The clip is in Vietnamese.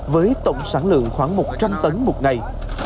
với tổng sản lượng khoảng một trăm linh tấn một ngày